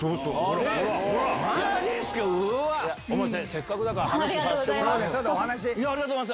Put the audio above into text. せっかくだから話させてもらう？